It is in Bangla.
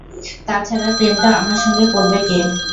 তা ছাড়া প্রেমটা আমার সঙ্গে করবে কে?